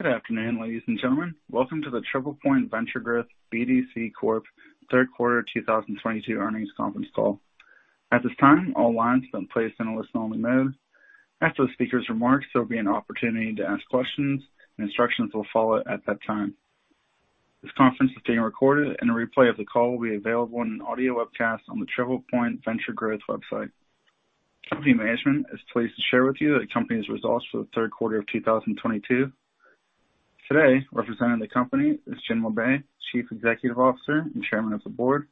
Good afternoon, ladies and gentlemen. Welcome to the TriplePoint Venture Growth BDC Corp. Third Quarter 2022 earnings conference call. At this time, all lines have been placed in a listen-only mode. After the speaker's remarks, there'll be an opportunity to ask questions and instructions will follow at that time. This conference is being recorded and a replay of the call will be available in an audio webcast on the TriplePoint Venture Growth website. Company management is pleased to share with you the company's results for the third quarter of 2022. Today, representing the company is Jim Labe, Chief Executive Officer and Chairman of the Board,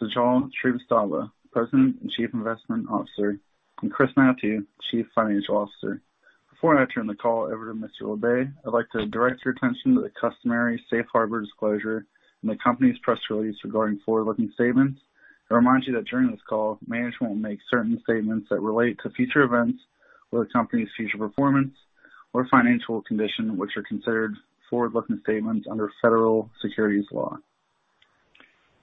Sajal Srivastava, President and Chief Investment Officer, and Christopher Mathieu, Chief Financial Officer. Before I turn the call over to Mr. Labe, I'd like to direct your attention to the customary safe harbor disclosure in the company's press release regarding forward-looking statements. I remind you that during this call, management will make certain statements that relate to future events or the company's future performance or financial condition, which are considered forward-looking statements under federal securities law.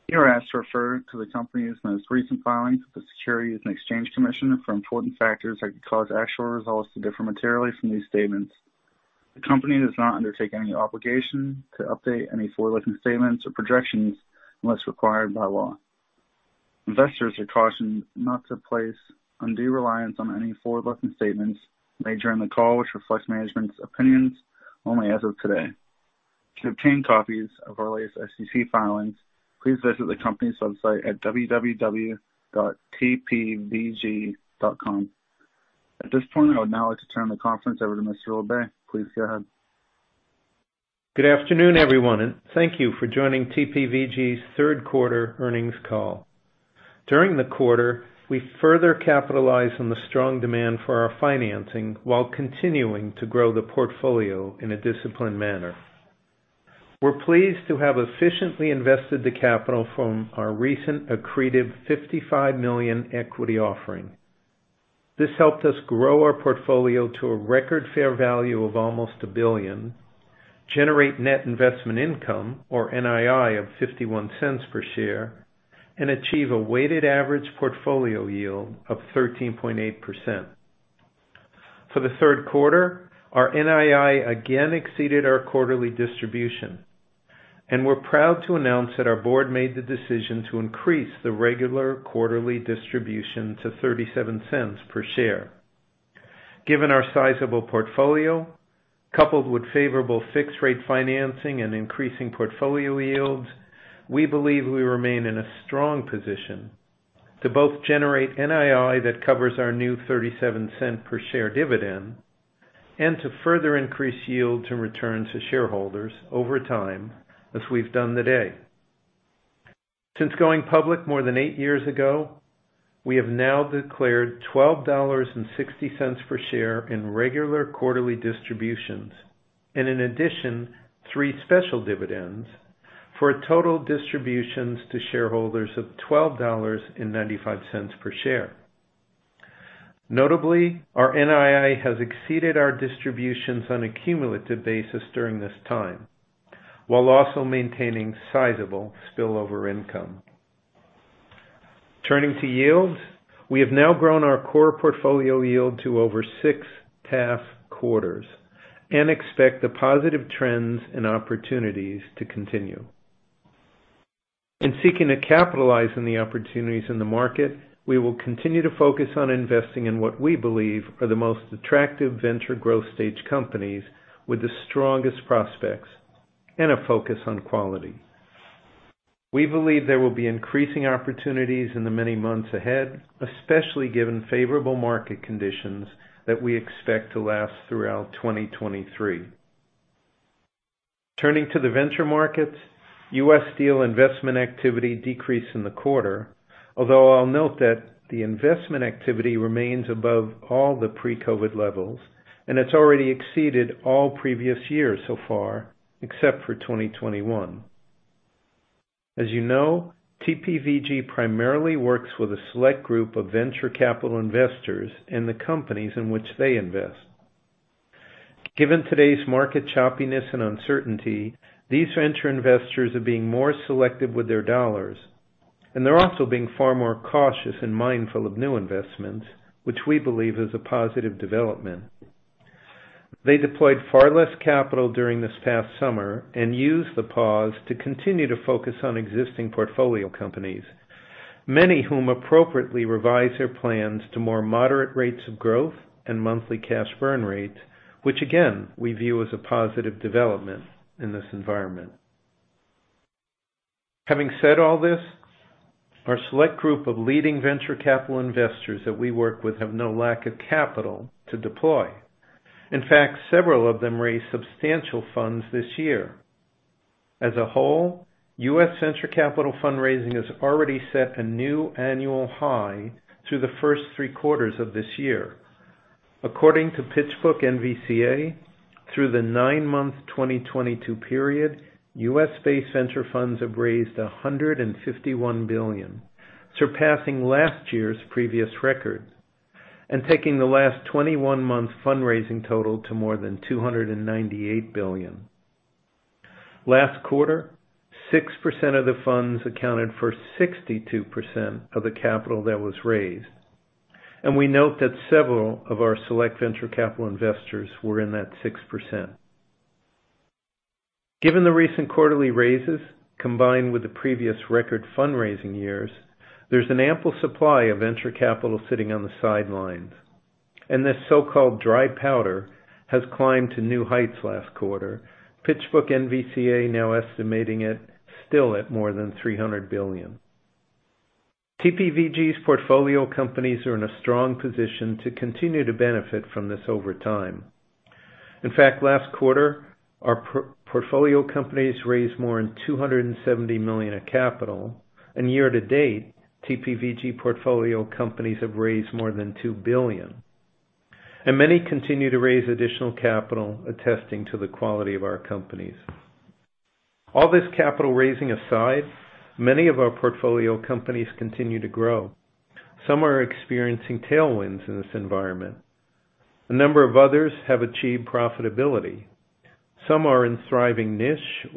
You're asked to refer to the company's most recent filings with the Securities and Exchange Commission for important factors that could cause actual results to differ materially from these statements. The company does not undertake any obligation to update any forward-looking statements or projections unless required by law. Investors are cautioned not to place undue reliance on any forward-looking statements made during the call, which reflects management's opinions only as of today. To obtain copies of our latest SEC filings, please visit the company's website at www.tpvg.com. At this point, I would now like to turn the conference over to Mr. Labe. Please go ahead. Good afternoon, everyone, and thank you for joining TPVG's third quarter earnings call. During the quarter, we further capitalized on the strong demand for our financing while continuing to grow the portfolio in a disciplined manner. We're pleased to have efficiently invested the capital from our recent accretive $55 million equity offering. This helped us grow our portfolio to a record fair value of almost $1 billion, generate net investment income or NII of $0.51 per share, and achieve a weighted average portfolio yield of 13.8%. For the third quarter, our NII again exceeded our quarterly distribution, and we're proud to announce that our board made the decision to increase the regular quarterly distribution to $0.37 per share. Given our sizable portfolio, coupled with favorable fixed-rate financing and increasing portfolio yields, we believe we remain in a strong position to both generate NII that covers our new $0.37 per share dividend and to further increase yields and returns to shareholders over time as we've done today. Since going public more than eight years ago, we have now declared $12.60 per share in regular quarterly distributions, and in addition, three special dividends for a total distributions to shareholders of $12.95 per share. Notably, our NII has exceeded our distributions on a cumulative basis during this time, while also maintaining sizable spillover income. Turning to yields, we have now grown our core portfolio yield to over six tough quarters and expect the positive trends and opportunities to continue. In seeking to capitalize on the opportunities in the market, we will continue to focus on investing in what we believe are the most attractive venture growth stage companies with the strongest prospects and a focus on quality. We believe there will be increasing opportunities in the many months ahead, especially given favorable market conditions that we expect to last throughout 2023. Turning to the venture markets, U.S. deal investment activity decreased in the quarter, although I'll note that the investment activity remains above all the pre-COVID levels, and it's already exceeded all previous years so far, except for 2021. As you know, TPVG primarily works with a select group of venture capital investors and the companies in which they invest. Given today's market choppiness and uncertainty, these venture investors are being more selective with their dollars, and they're also being far more cautious and mindful of new investments, which we believe is a positive development. They deployed far less capital during this past summer and used the pause to continue to focus on existing portfolio companies, many whom appropriately revised their plans to more moderate rates of growth and monthly cash burn rates, which again, we view as a positive development in this environment. Having said all this, our select group of leading venture capital investors that we work with have no lack of capital to deploy. In fact, several of them raised substantial funds this year. As a whole, U.S. venture capital fundraising has already set a new annual high through the first three quarters of this year. According to PitchBook-NVCA, through the nine-month 2022 period, U.S.-based venture funds have raised $151 billion, surpassing last year's previous record and taking the last 21-month fundraising total to more than $298 billion. Last quarter, 6% of the funds accounted for 62% of the capital that was raised, and we note that several of our select venture capital investors were in that 6%. Given the recent quarterly raises, combined with the previous record fundraising years, there's an ample supply of venture capital sitting on the sidelines, and this so-called dry powder has climbed to new heights last quarter. PitchBook-NVCA now estimating it still at more than $300 billion. TPVG's portfolio companies are in a strong position to continue to benefit from this over time. In fact, last quarter, our portfolio companies raised more than $270 million of capital. Year to date, TPVG portfolio companies have raised more than $2 billion, and many continue to raise additional capital, attesting to the quality of our companies. All this capital raising aside, many of our portfolio companies continue to grow. Some are experiencing tailwinds in this environment. A number of others have achieved profitability. Some are in thriving niche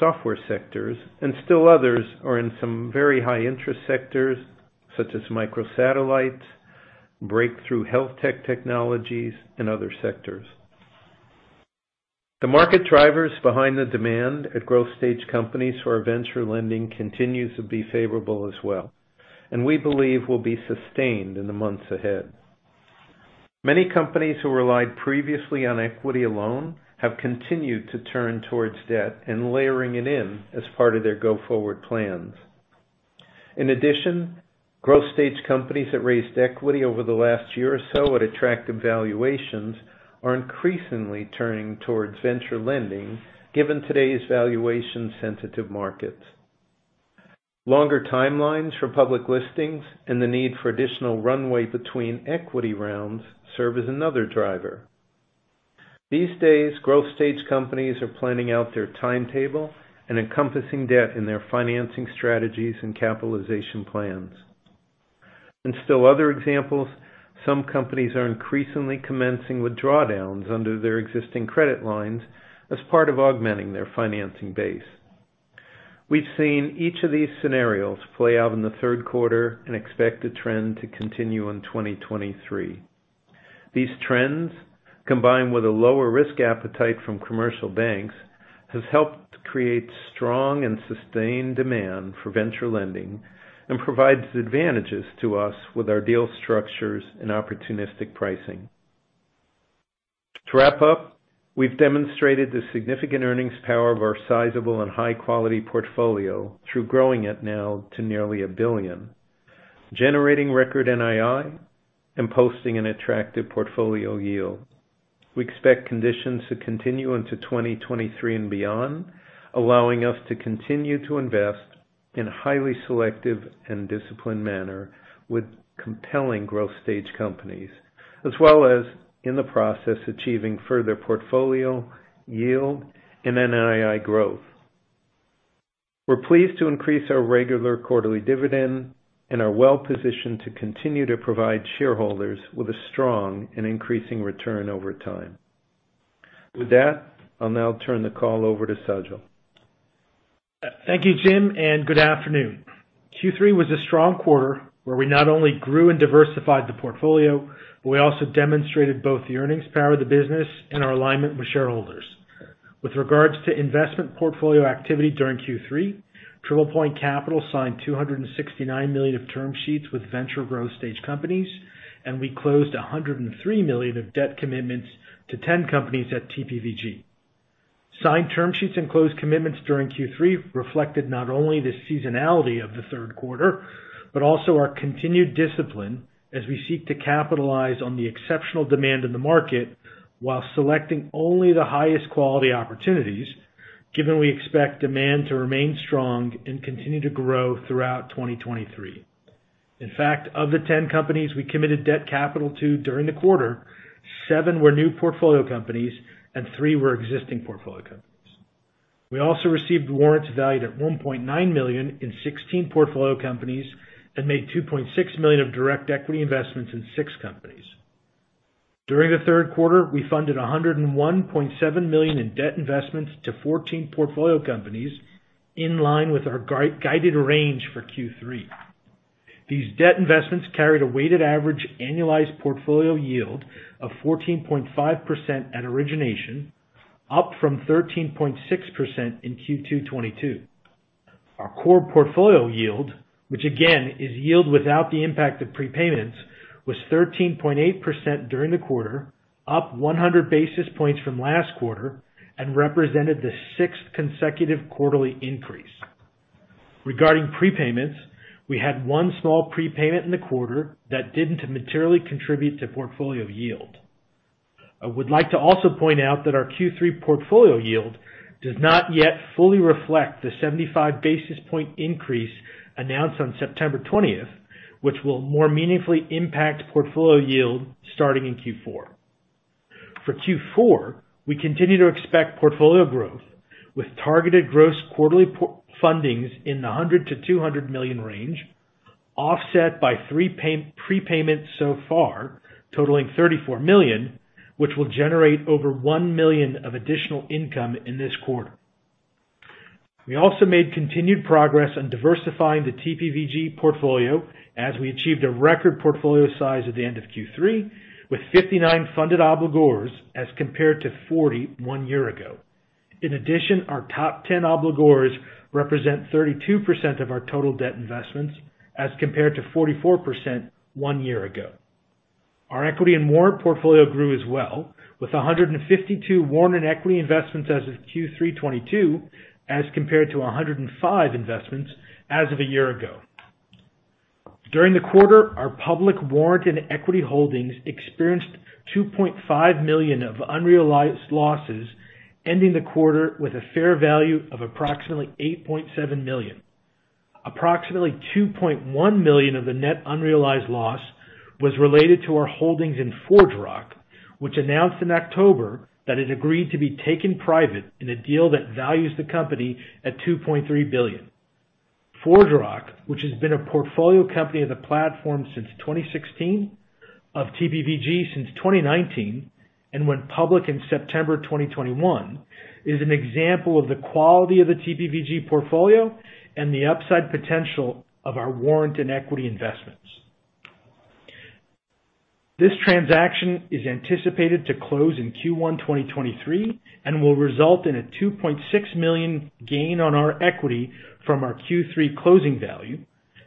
software sectors, and still others are in some very high interest sectors such as microsatellites, breakthrough health tech technologies, and other sectors. The market drivers behind the demand for growth stage companies for venture lending continues to be favorable as well, and we believe will be sustained in the months ahead. Many companies who relied previously on equity alone have continued to turn towards debt and layering it in as part of their go-forward plans. In addition, growth stage companies that raised equity over the last year or so at attractive valuations are increasingly turning towards venture lending, given today's valuation-sensitive markets. Longer timelines for public listings and the need for additional runway between equity rounds serve as another driver. These days, growth stage companies are planning out their timetable and encompassing debt in their financing strategies and capitalization plans. Still other examples, some companies are increasingly commencing with drawdowns under their existing credit lines as part of augmenting their financing base. We've seen each of these scenarios play out in the third quarter and expect the trend to continue in 2023. These trends, combined with a lower risk appetite from commercial banks, has helped create strong and sustained demand for venture lending and provides advantages to us with our deal structures and opportunistic pricing. To wrap up, we've demonstrated the significant earnings power of our sizable and high quality portfolio through growing it now to nearly $1 billion, generating record NII and posting an attractive portfolio yield. We expect conditions to continue into 2023 and beyond, allowing us to continue to invest in a highly selective and disciplined manner with compelling growth stage companies, as well as in the process achieving further portfolio yield and NII growth. We're pleased to increase our regular quarterly dividend and are well-positioned to continue to provide shareholders with a strong and increasing return over time. With that, I'll now turn the call over to Sajal. Thank you, Jim, and good afternoon. Q3 was a strong quarter where we not only grew and diversified the portfolio, but we also demonstrated both the earnings power of the business and our alignment with shareholders. With regards to investment portfolio activity during Q3, TriplePoint Capital signed $269 million of term sheets with venture growth stage companies, and we closed $103 million of debt commitments to 10 companies at TPVG. Signed term sheets and closed commitments during Q3 reflected not only the seasonality of the third quarter, but also our continued discipline as we seek to capitalize on the exceptional demand in the market while selecting only the highest quality opportunities, given we expect demand to remain strong and continue to grow throughout 2023. In fact, of the 10 companies we committed debt capital to during the quarter, seven were new portfolio companies and three were existing portfolio companies. We also received warrants valued at $1.9 million in 16 portfolio companies and made $2.6 million of direct equity investments in six companies. During the third quarter, we funded $101.7 million in debt investments to 14 portfolio companies in line with our guided range for Q3. These debt investments carried a weighted average annualized portfolio yield of 14.5% at origination, up from 13.6% in Q2 2022. Our core portfolio yield, which again is yield without the impact of prepayments, was 13.8% during the quarter, up 100 basis points from last quarter, and represented the sixth consecutive quarterly increase. Regarding prepayments, we had one small prepayment in the quarter that didn't materially contribute to portfolio yield. I would like to also point out that our Q3 portfolio yield does not yet fully reflect the 75 basis point increase announced on September twentieth, which will more meaningfully impact portfolio yield starting in Q4. For Q4, we continue to expect portfolio growth with targeted gross quarterly fundings in the $100 million-$200 million range. Offset by three prepayments so far, totaling $34 million, which will generate over $1 million of additional income in this quarter. We also made continued progress on diversifying the TPVG portfolio as we achieved a record portfolio size at the end of Q3, with 59 funded obligors as compared to 41 one year ago. In addition, our top ten obligors represent 32% of our total debt investments as compared to 44% one year ago. Our equity and warrant portfolio grew as well, with 152 warrant and equity investments as of Q3 2022, as compared to 105 investments as of a year ago. During the quarter, our public warrant and equity holdings experienced $2.5 million of unrealized losses, ending the quarter with a fair value of approximately $8.7 million. Approximately $2.1 million of the net unrealized loss was related to our holdings in ForgeRock, which announced in October that it agreed to be taken private in a deal that values the company at $2.3 billion. ForgeRock, which has been a portfolio company of the platform since 2016, of TPVG since 2019, and went public in September 2021, is an example of the quality of the TPVG portfolio and the upside potential of our warrant and equity investments. This transaction is anticipated to close in Q1 2023 and will result in a $2.6 million gain on our equity from our Q3 closing value,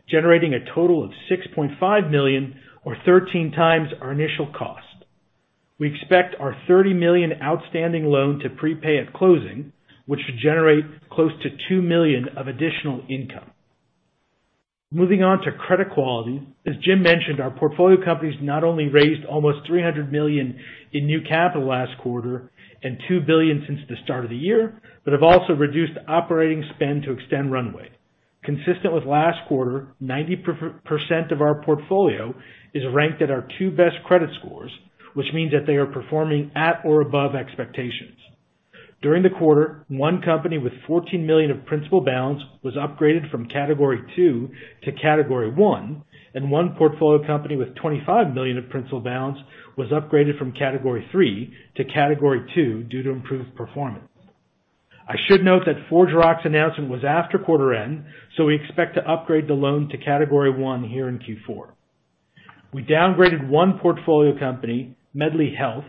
generating a total of $6.5 million or 13x our initial cost. We expect our $30 million outstanding loan to prepay at closing, which should generate close to $2 million of additional income. Moving on to credit quality. As Jim mentioned, our portfolio companies not only raised almost $300 million in new capital last quarter and $2 billion since the start of the year, but have also reduced operating spend to extend runway. Consistent with last quarter, 90% of our portfolio is ranked at our two best credit scores, which means that they are performing at or above expectations. During the quarter, one company with $14 million of principal balance was upgraded from category two to category one, and one portfolio company with $25 million of principal balance was upgraded from category Three to category Two due to improved performance. I should note that ForgeRock's announcement was after quarter end, so we expect to upgrade the loan to category one here in Q4. We downgraded one portfolio company, Medly Health,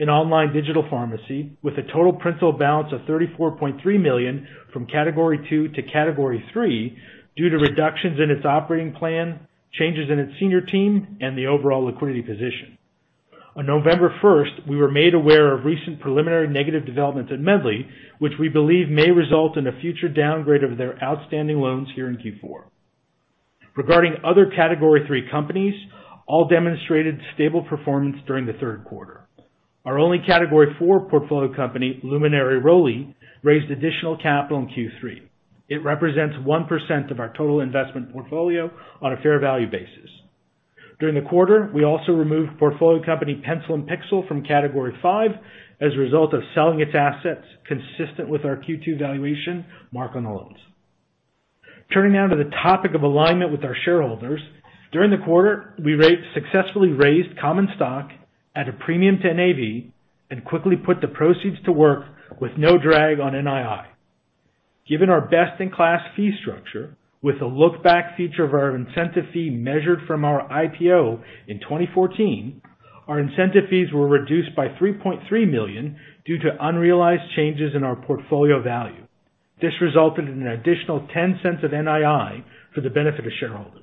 an online digital pharmacy with a total principal balance of $34.3 million from category one to category three due to reductions in its operating plan, changes in its senior team, and the overall liquidity position. On November first, we were made aware of recent preliminary negative developments at Medly, which we believe may result in a future downgrade of their outstanding loans here in Q4. Regarding other category three companies, all demonstrated stable performance during the third quarter. Our only category four portfolio company, Luminary Rowley, raised additional capital in Q3. It represents 1% of our total investment portfolio on a fair value basis. During the quarter, we also removed portfolio company Pencil & Pixel from category five as a result of selling its assets consistent with our Q2 valuation mark on the loans. Turning now to the topic of alignment with our shareholders. During the quarter, we successfully raised common stock at a premium to NAV and quickly put the proceeds to work with no drag on NII. Given our best-in-class fee structure with a look-back feature of our incentive fee measured from our IPO in 2014, our incentive fees were reduced by $3.3 million due to unrealized changes in our portfolio value. This resulted in an additional $0.10 of NII for the benefit of shareholders.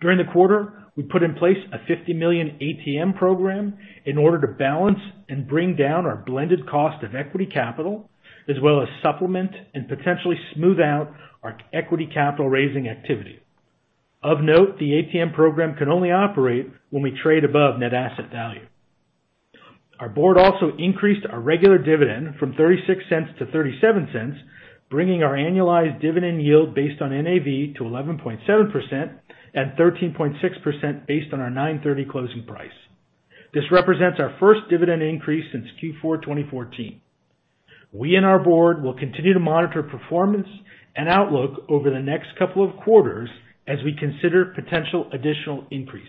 During the quarter, we put in place a $50 million ATM program in order to balance and bring down our blended cost of equity capital, as well as supplement and potentially smooth out our equity capital raising activity. Of note, the ATM program can only operate when we trade above net asset value. Our board also increased our regular dividend from $0.36 to $0.37, bringing our annualized dividend yield based on NAV to 11.7% and 13.6% based on our 9/30 closing price. This represents our first dividend increase since Q4 2014. We in our board will continue to monitor performance and outlook over the next couple of quarters as we consider potential additional increases.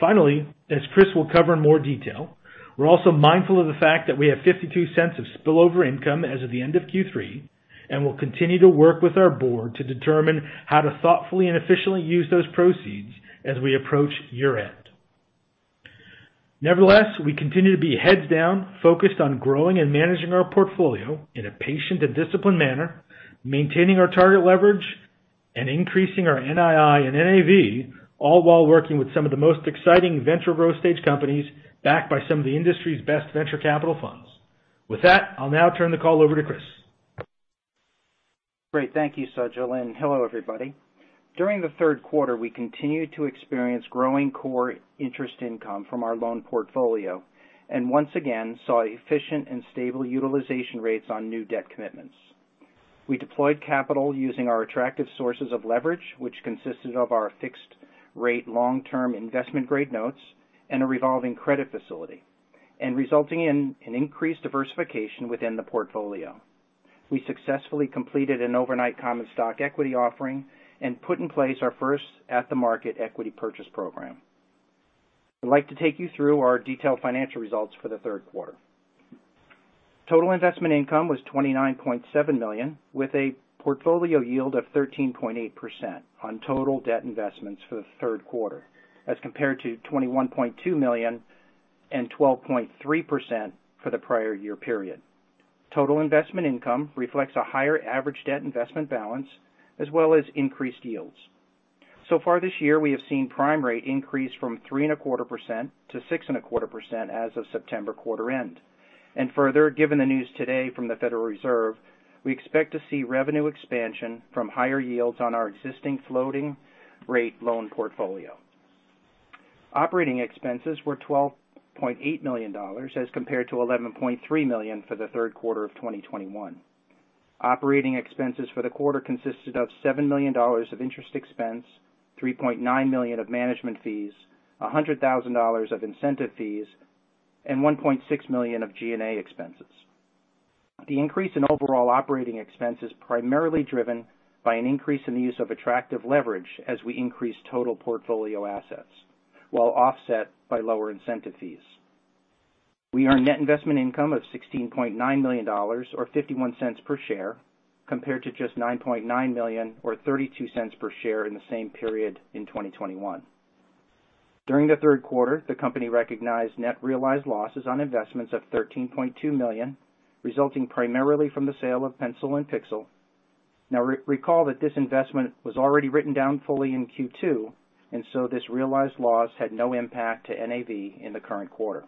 Finally, as Chris will cover in more detail, we're also mindful of the fact that we have $0.52 of spillover income as of the end of Q3, and we'll continue to work with our board to determine how to thoughtfully and efficiently use those proceeds as we approach year-end. Nevertheless, we continue to be heads down, focused on growing and managing our portfolio in a patient and disciplined manner, maintaining our target leverage and increasing our NII and NAV, all while working with some of the most exciting venture growth stage companies backed by some of the industry's best venture capital funds. With that, I'll now turn the call over to Chris. Great. Thank you, Sajal, and hello, everybody. During the third quarter, we continued to experience growing core interest income from our loan portfolio and once again, saw efficient and stable utilization rates on new debt commitments. We deployed capital using our attractive sources of leverage, which consisted of our fixed rate long-term investment grade notes and a revolving credit facility. Resulting in an increased diversification within the portfolio. We successfully completed an overnight common stock equity offering and put in place our first at-the-market equity purchase program. I'd like to take you through our detailed financial results for the third quarter. Total investment income was $29.7 million, with a portfolio yield of 13.8% on total debt investments for the third quarter, as compared to $21.2 million and 12.3% for the prior year period. Total investment income reflects a higher average debt investment balance as well as increased yields. Far this year, we have seen prime rate increase from 3.25%-6.25% as of September quarter end. Further, given the news today from the Federal Reserve, we expect to see revenue expansion from higher yields on our existing floating rate loan portfolio. Operating expenses were $12.8 million as compared to $11.3 million for the third quarter of 2021. Operating expenses for the quarter consisted of $7 million of interest expense, $3.9 million of management fees, $100,000 of incentive fees, and $1.6 million of G&A expenses. The increase in overall operating expense is primarily driven by an increase in the use of attractive leverage as we increase total portfolio assets, while offset by lower incentive fees. We earned net investment income of $16.9 million or $0.51 per share, compared to just $9.9 million or $0.32 per share in the same period in 2021. During the third quarter, the company recognized net realized losses on investments of $13.2 million, resulting primarily from the sale of Pen & Pixel. Now, recall that this investment was already written down fully in Q2, and so this realized loss had no impact to NAV in the current quarter.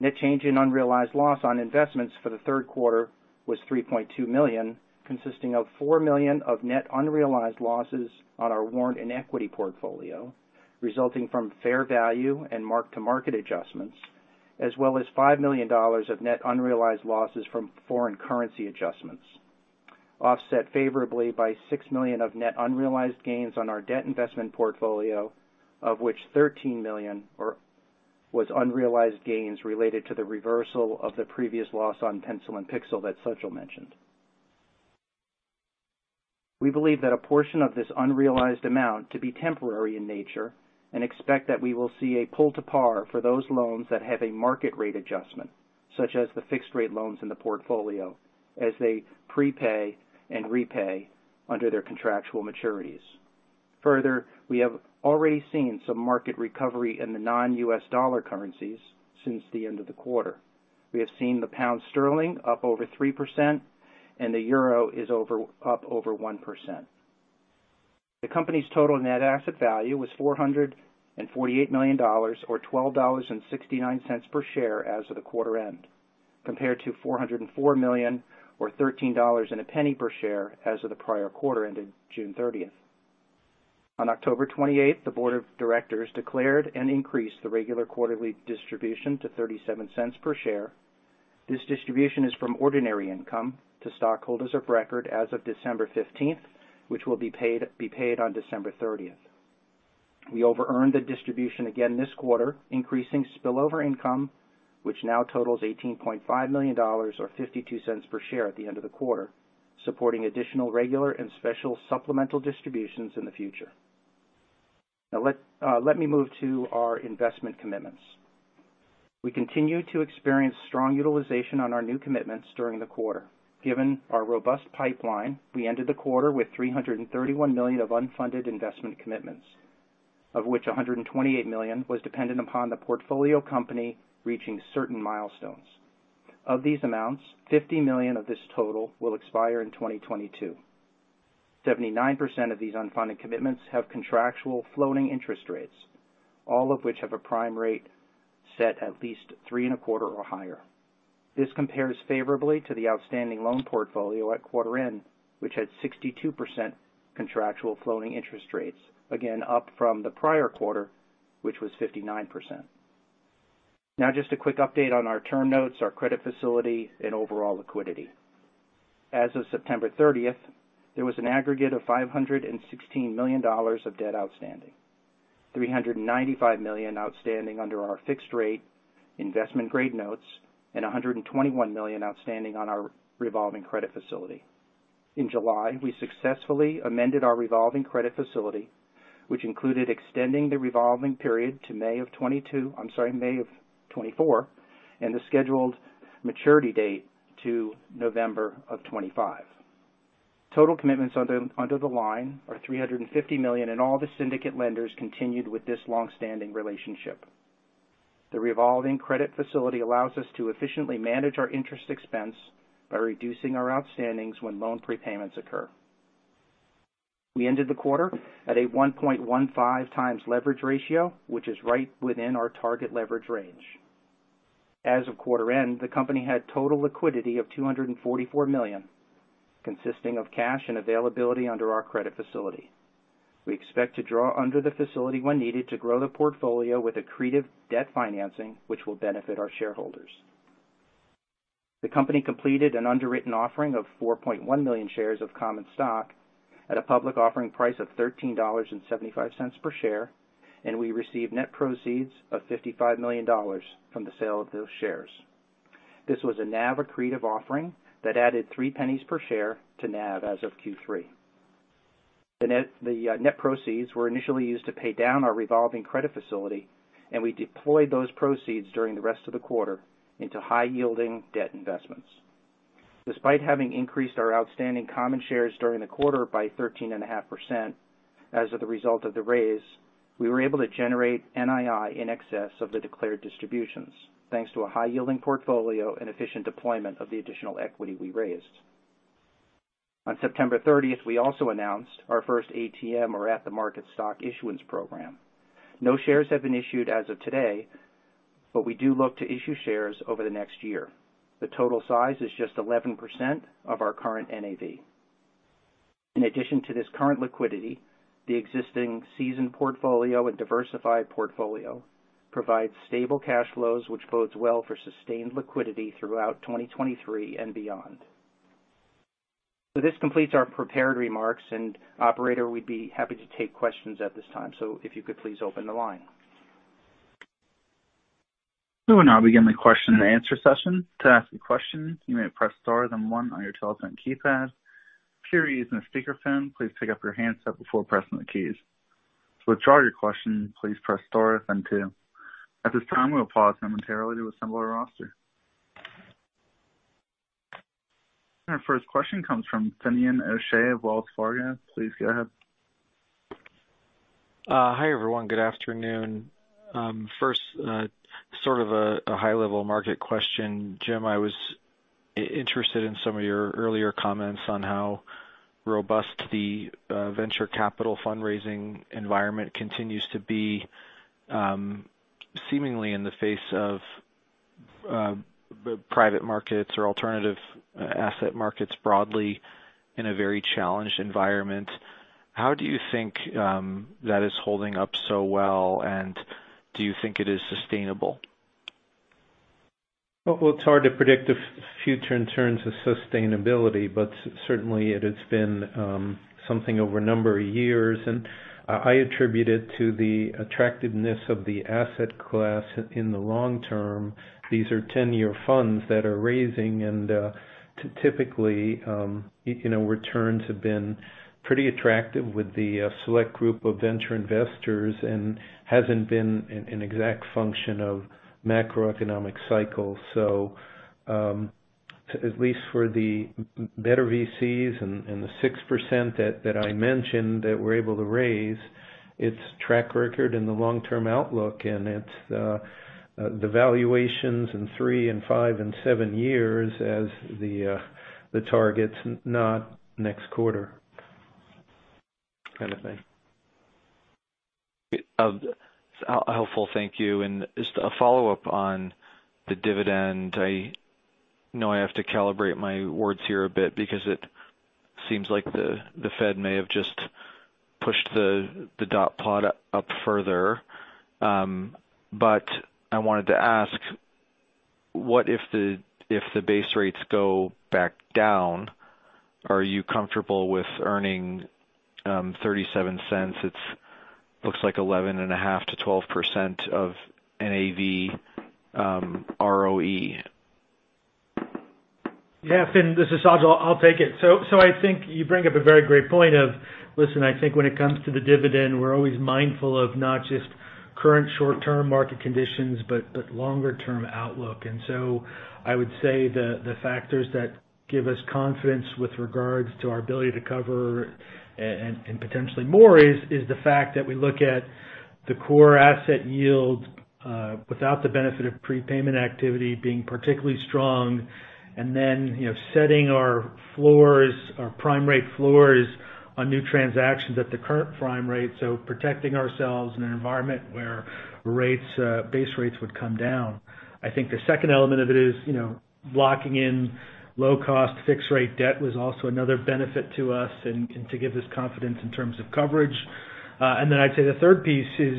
Net change in unrealized loss on investments for the third quarter was $3.2 million, consisting of $4 million of net unrealized losses on our warrant and equity portfolio, resulting from fair value and mark-to-market adjustments, as well as $5 million of net unrealized losses from foreign currency adjustments, offset favorably by $6 million of net unrealized gains on our debt investment portfolio, of which $13 million was unrealized gains related to the reversal of the previous loss on Pen & Pixel that Sajal mentioned. We believe that a portion of this unrealized amount to be temporary in nature and expect that we will see a pull to par for those loans that have a market rate adjustment, such as the fixed rate loans in the portfolio, as they prepay and repay under their contractual maturities. Further, we have already seen some market recovery in the non-US dollar currencies since the end of the quarter. We have seen the pound sterling up over 3% and the euro is up over 1%. The company's total net asset value was $448 million or $12.69 per share as of the quarter end, compared to $404 million or $13.01 per share as of the prior quarter ending June 30. On October 28, the board of directors declared and increased the regular quarterly distribution to $0.37 per share. This distribution is from ordinary income to stockholders of record as of December 15, which will be paid on December 30. We overearned the distribution again this quarter, increasing spillover income, which now totals $18.5 million or 52 cents per share at the end of the quarter, supporting additional regular and special supplemental distributions in the future. Now let me move to our investment commitments. We continue to experience strong utilization on our new commitments during the quarter. Given our robust pipeline, we ended the quarter with $331 million of unfunded investment commitments, of which $128 million was dependent upon the portfolio company reaching certain milestones. Of these amounts, $50 million of this total will expire in 2022. 79% of these unfunded commitments have contractual floating interest rates, all of which have a prime rate set at least 3.25 or higher. This compares favorably to the outstanding loan portfolio at quarter end, which had 62% contractual floating interest rates, again, up from the prior quarter, which was 59%. Now just a quick update on our term notes, our credit facility and overall liquidity. As of September 30, there was an aggregate of $516 million of debt outstanding, $395 million outstanding under our fixed rate investment grade notes, and $121 million outstanding on our revolving credit facility. In July, we successfully amended our revolving credit facility, which included extending the revolving period to May of 2024, and the scheduled maturity date to November of 2025. Total commitments under the line are $350 million, and all the syndicate lenders continued with this long-standing relationship. The revolving credit facility allows us to efficiently manage our interest expense by reducing our outstandings when loan prepayments occur. We ended the quarter at a 1.15x leverage ratio, which is right within our target leverage range. As of quarter end, the company had total liquidity of $244 million, consisting of cash and availability under our credit facility. We expect to draw under the facility when needed to grow the portfolio with accretive debt financing, which will benefit our shareholders. The company completed an underwritten offering of $4.1 million shares of common stock at a public offering price of $13.75 per share, and we received net proceeds of $55 million from the sale of those shares. This was a NAV accretive offering that added $0.03 per share to NAV as of Q3. The net proceeds were initially used to pay down our revolving credit facility, and we deployed those proceeds during the rest of the quarter into high-yielding debt investments. Despite having increased our outstanding common shares during the quarter by 13.5% as a result of the raise, we were able to generate NII in excess of the declared distributions, thanks to a high-yielding portfolio and efficient deployment of the additional equity we raised. On September thirtieth, we also announced our first ATM or at-the-market stock issuance program. No shares have been issued as of today, but we do look to issue shares over the next year. The total size is just 11% of our current NAV. In addition to this current liquidity, the existing seasoned portfolio and diversified portfolio provides stable cash flows, which bodes well for sustained liquidity throughout 2023 and beyond. This completes our prepared remarks, and operator, we'd be happy to take questions at this time. If you could please open the line. We will now begin the question and answer session. To ask a question, you may press star then one on your telephone keypad. If you're using a speakerphone, please pick up your handset before pressing the keys. To withdraw your question, please press star then two. At this time, we'll pause momentarily to assemble our roster. Our first question comes from Finian O'Shea of Wells Fargo. Please go ahead. Hi, everyone. Good afternoon. First, sort of a high-level market question. Jim, I was interested in some of your earlier comments on how robust the venture capital fundraising environment continues to be, seemingly in the face of the private markets or alternative asset markets broadly in a very challenged environment. How do you think that is holding up so well, and do you think it is sustainable? Well, it's hard to predict the future in terms of sustainability, but certainly it has been something over a number of years. I attribute it to the attractiveness of the asset class in the long term. These are 10-year funds that are raising, and typically, you know, returns have been pretty attractive with the select group of venture investors and hasn't been an exact function of macroeconomic cycles. At least for the better VCs and the 6% that I mentioned that we're able to raise, it's track record in the long-term outlook, and it's the valuations in three, five, and seven years as the targets, not next quarter kind of thing. Helpful. Thank you. Just a follow-up on the dividend. I know I have to calibrate my words here a bit because it seems like the Fed may have just pushed the dot plot up further. I wanted to ask, what if the base rates go back down, are you comfortable with earning $0.37? It looks like 11.5%-12% of NAV, ROE. Yeah. Finian, this is Sajal. I'll take it. I think you bring up a very great point, listen, I think when it comes to the dividend, we're always mindful of not just current short-term market conditions, but longer term outlook. I would say the factors that give us confidence with regards to our ability to cover and potentially more is the fact that we look at the core asset yield without the benefit of prepayment activity being particularly strong. You know, setting our floors, our prime rate floors on new transactions at the current prime rate, so protecting ourselves in an environment where rates, base rates would come down. I think the second element of it is, you know, locking in low cost fixed rate debt was also another benefit to us and to give us confidence in terms of coverage. I'd say the third piece is,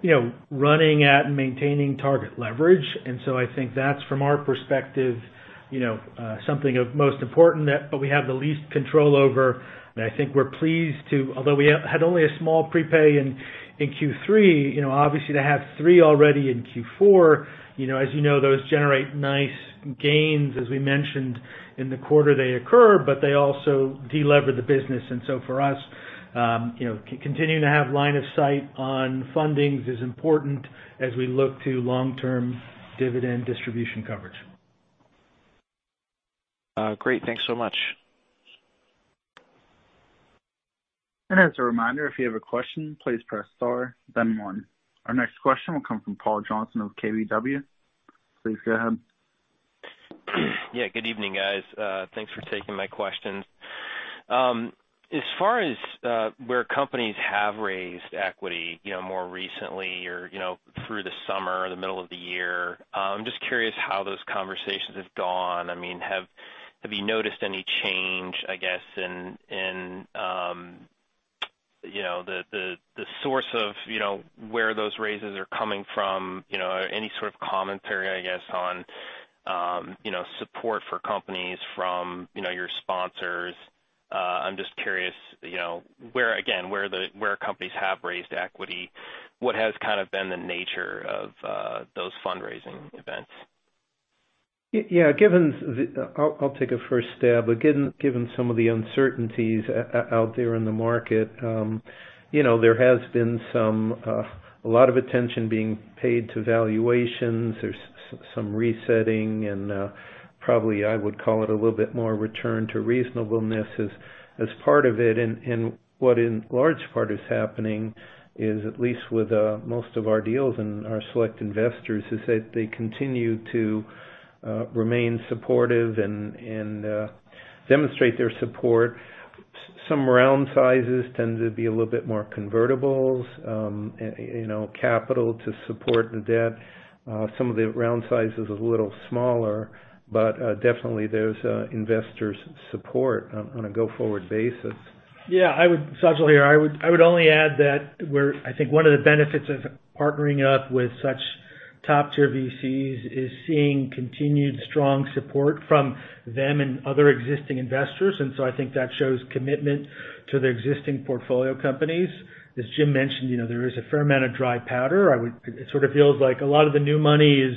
you know, running at and maintaining target leverage. I think that's, from our perspective, you know, something of most important but we have the least control over. I think we're pleased. Although we had only a small prepay in Q3, you know, obviously to have three already in Q4, you know, as you know, those generate nice gains, as we mentioned, in the quarter they occur, but they also de-lever the business. For us, you know, continuing to have line of sight on fundings is important as we look to long-term dividend distribution coverage. Great. Thanks so much. As a reminder, if you have a question, please press star then one. Our next question will come from Paul Johnson of KBW. Please go ahead. Yeah, good evening, guys. Thanks for taking my questions. As far as where companies have raised equity, you know, more recently or, you know, through the summer or the middle of the year, just curious how those conversations have gone. I mean, have you noticed any change, I guess, in you know, the source of, you know, where those raises are coming from, you know, any sort of commentary, I guess, on you know, support for companies from, you know, your sponsors. I'm just curious, you know, where companies have raised equity, what has kind of been the nature of those fundraising events? Yeah. Given the, I'll take a first stab. Given some of the uncertainties out there in the market, you know, there has been some, a lot of attention being paid to valuations. There's some resetting and probably I would call it a little bit more return to reasonableness as part of it. What in large part is happening is, at least with most of our deals and our select investors, is that they continue to remain supportive and demonstrate their support. Some round sizes tend to be a little bit more convertibles, you know, capital to support the debt. Some of the round sizes is a little smaller, but definitely there's investors support on a go-forward basis. Sajal here. I would only add that we're I think one of the benefits of partnering up with such top-tier VCs is seeing continued strong support from them and other existing investors. I think that shows commitment to the existing portfolio companies. As Jim mentioned, you know, there is a fair amount of dry powder. It sort of feels like a lot of the new money is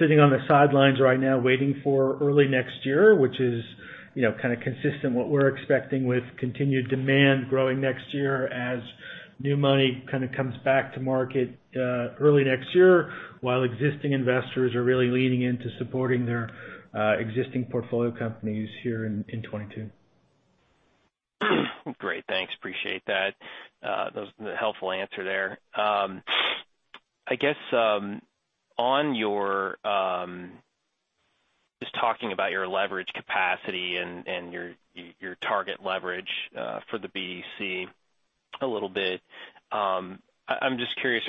sitting on the sidelines right now waiting for early next year, which is, you know, kind of consistent what we're expecting with continued demand growing next year as new money kind of comes back to market early next year, while existing investors are really leaning into supporting their existing portfolio companies here in 2022. Great. Thanks. Appreciate that. That was a helpful answer there. I guess, on your leverage capacity and your target leverage for the BDC a little bit, I'm just curious.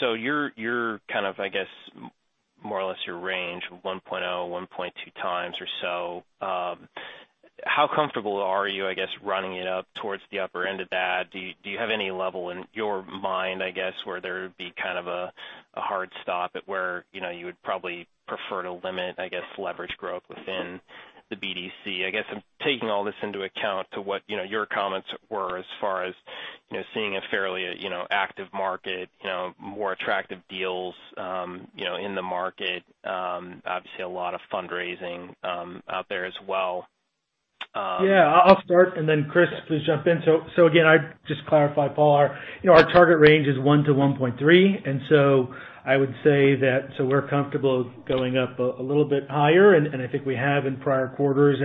So you're kind of, I guess, more or less your range 1.0-1.2x or so, how comfortable are you, I guess, running it up towards the upper end of that? Do you have any level in your mind, I guess, where there would be kind of a hard stop at where, you know, you would probably prefer to limit, I guess, leverage growth within the BDC? I guess I'm taking all this into account to what, you know, your comments were as far as, you know, seeing a fairly, you know, active market, you know, more attractive deals, you know, in the market. Obviously a lot of fundraising out there as well. I'll start and then Chris, please jump in. So again, I'd just clarify, Paul, our, you know, our target range is 1-1.3x, and so I would say that, so we're comfortable going up a little bit higher, and I think we have in prior quarters.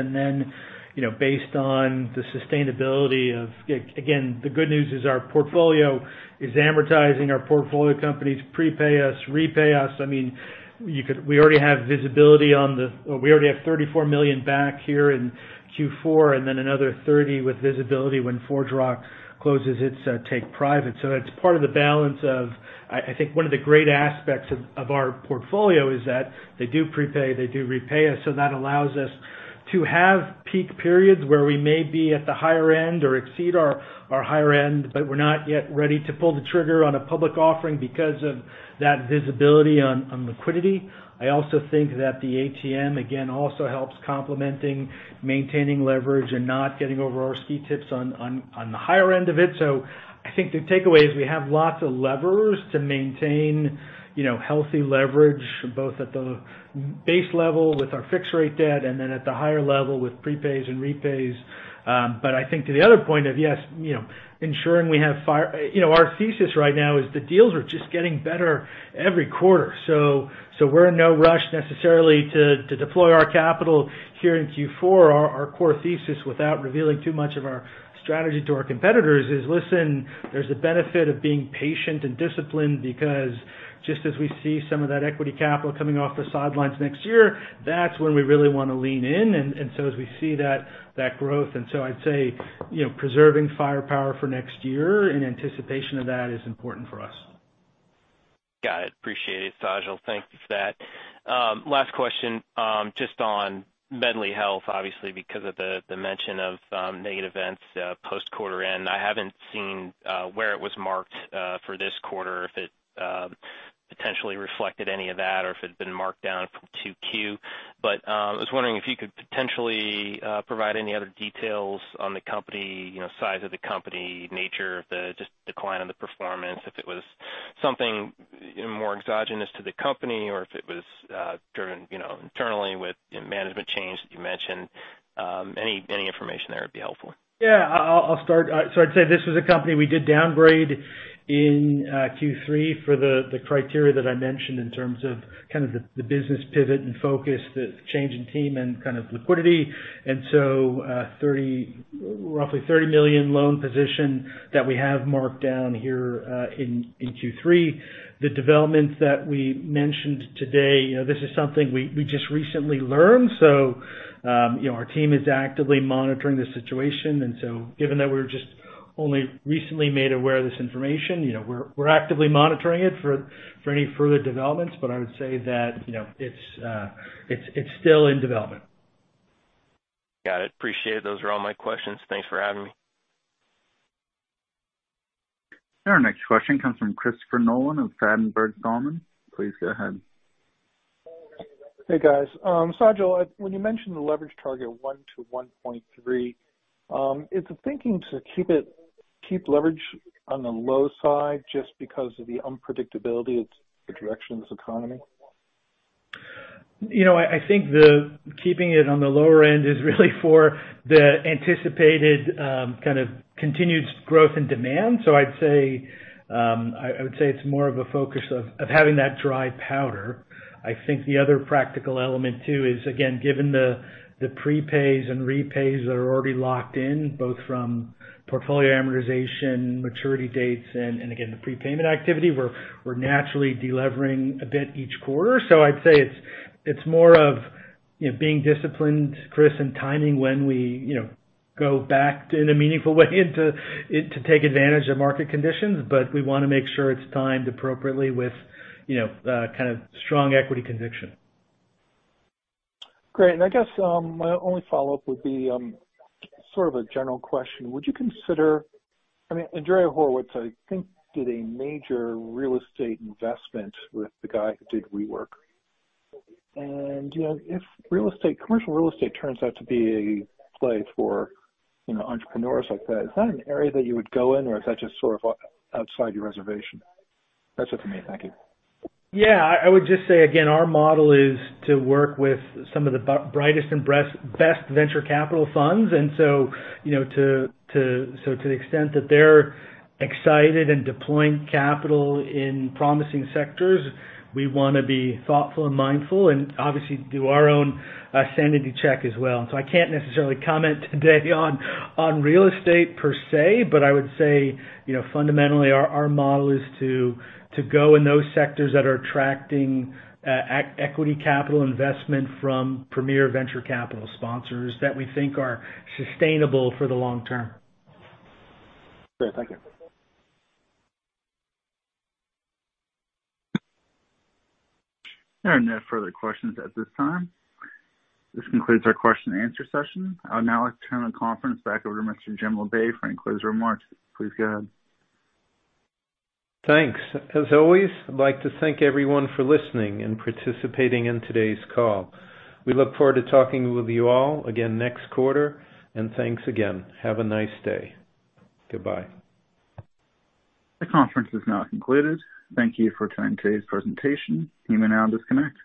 You know, based on the sustainability of, again, the good news is our portfolio is amortizing, our portfolio companies prepay us, repay us. I mean, we already have visibility on the $34 million back here in Q4 and then another $30 million with visibility when ForgeRock closes its take private. It's part of the balance of, I think one of the great aspects of our portfolio is that they do prepay, they do repay us, so that allows us to have peak periods where we may be at the higher end or exceed our higher end, but we're not yet ready to pull the trigger on a public offering because of that visibility on liquidity. I also think that the ATM, again, also helps complementing maintaining leverage and not getting over our skis on the higher end of it. I think the takeaway is we have lots of levers to maintain, you know, healthy leverage, both at the base level with our fixed rate debt and then at the higher level with prepays and repays. I think to the other point of, yes, you know, ensuring we have fire. You know, our thesis right now is the deals are just getting better every quarter. We're in no rush necessarily to deploy our capital here in Q4. Our core thesis without revealing too much of our strategy to our competitors is, listen, there's a benefit of being patient and disciplined because just as we see some of that equity capital coming off the sidelines next year, that's when we really wanna lean in. So as we see that growth, and so I'd say, you know, preserving firepower for next year in anticipation of that is important for us. Got it. Appreciate it, Sajal. Thank you for that. Last question, just on Medly Health, obviously because of the mention of negative events post quarter end. I haven't seen where it was marked for this quarter, if it potentially reflected any of that or if it had been marked down from 2Q. I was wondering if you could potentially provide any other details on the company, you know, size of the company, nature of the just decline in the performance, if it was something more exogenous to the company or if it was driven, you know, internally with management change that you mentioned. Any information there would be helpful. Yeah. I'll start. I'd say this was a company we did downgrade in Q3 for the criteria that I mentioned in terms of kind of the business pivot and focus, the change in team and kind of liquidity. Roughly $30 million loan position that we have marked down here in Q3. The developments that we mentioned today, you know, this is something we just recently learned. You know, our team is actively monitoring the situation. Given that we're just only recently made aware of this information, you know, we're actively monitoring it for any further developments. I would say that, you know, it's still in development. Got it. Appreciate it. Those are all my questions. Thanks for having me. Our next question comes from Christopher Nolan of Ladenburg Thalmann. Please go ahead. Hey, guys. Sajal, when you mentioned the leverage target of 1-1.3, is the thinking to keep leverage on the low side just because of the unpredictability of the direction of this economy? You know, I think the keeping it on the lower end is really for the anticipated kind of continued growth and demand. I'd say I would say it's more of a focus of having that dry powder. I think the other practical element, too, is again given the prepays and repays that are already locked in, both from portfolio amortization, maturity dates, and again the prepayment activity. We're naturally de-levering a bit each quarter. I'd say it's more of you know being disciplined, Chris, and timing when we you know go back in a meaningful way into it to take advantage of market conditions. We wanna make sure it's timed appropriately with you know kind of strong equity conviction. Great. I guess my only follow-up would be sort of a general question. Would you consider? I mean, Andreessen Horowitz, I think, did a major real estate investment with the guy who did WeWork. You know, if real estate, commercial real estate turns out to be a play for, you know, entrepreneurs like that, is that an area that you would go in, or is that just sort of outside your reservation? That's it for me. Thank you. Yeah, I would just say again, our model is to work with some of the brightest and best venture capital funds. You know, to the extent that they're excited and deploying capital in promising sectors, we wanna be thoughtful and mindful and obviously do our own sanity check as well. I can't necessarily comment today on real estate per se, but I would say, you know, fundamentally our model is to go in those sectors that are attracting equity capital investment from premier venture capital sponsors that we think are sustainable for the long term. Great. Thank you. There are no further questions at this time. This concludes our question and answer session. I'll now turn the conference back over to Mr. Jim Labe for any closing remarks. Please go ahead. Thanks. As always, I'd like to thank everyone for listening and participating in today's call. We look forward to talking with you all again next quarter, and thanks again. Have a nice day. Goodbye. The conference is now concluded. Thank you for attending today's presentation. You may now disconnect.